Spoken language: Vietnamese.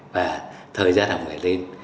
và thời gian học nghề lên